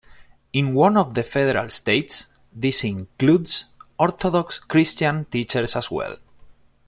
In one of the federal states this includes Orthodox Christian teachers as well.